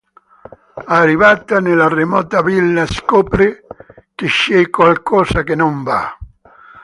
Arrivata nella remota villa scopre che c'è qualcosa che non va.